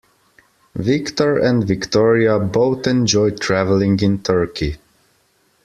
Victor and Victoria both enjoy traveling in Turkey.